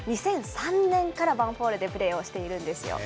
２００３年からヴァンフォーレでプレーしているんですよ。